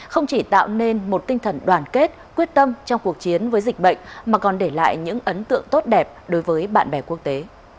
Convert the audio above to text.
không chỉ tạo nên một tinh thần đoàn kết quyết tâm trong cuộc chiến với dịch bệnh mà còn để lại những ấn tượng tốt đẹp đối với bạn bè quốc tế